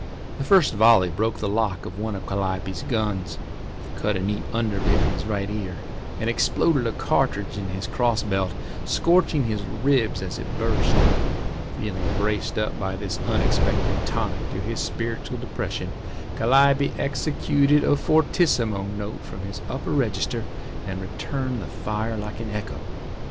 The first volley broke the lock of one of Calliope's guns, cut a neat underbit in his right ear, and exploded a cartridge in his crossbelt, scorching his ribs as it burst. Feeling braced up by this unexpected tonic to his spiritual depression, Calliope executed a fortissimo note from his upper register, and returned the fire like an echo.